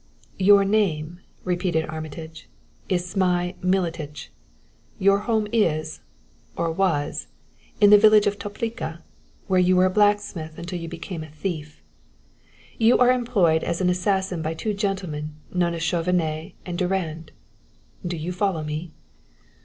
"Your name," repeated Armitage, "is Zmai Miletich; your home is, or was, in the village of Toplica, where you were a blacksmith until you became a thief. You are employed as an assassin by two gentlemen known as Chauvenet and Durand do you follow me?"